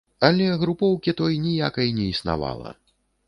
Але групоўкі той ніякай не існавала.